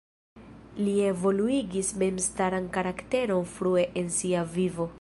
Li evoluigis memstaran karakteron frue en sia vivo.